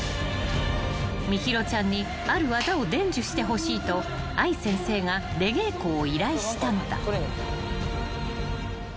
［心優ちゃんにある技を伝授してほしいと愛先生が出稽古を依頼したのだ］